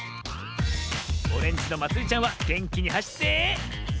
オレンジのまつりちゃんはげんきにはしって。